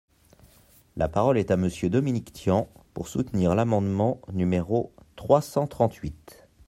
La parole est à Monsieur Dominique Tian, pour soutenir l’amendement numéro trois cent trente-huit.